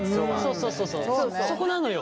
そうそうそうそうそこなのよ。